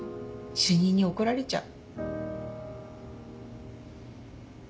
主任に怒られちゃう。